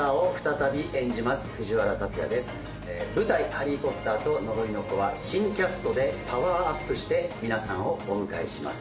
「ハリー・ポッターと呪いの子」は新キャストでパワーアップして皆さんをお迎えします